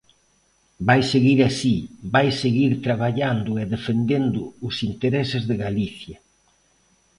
Vai seguir así, vai seguir traballando e defendendo os intereses de Galicia.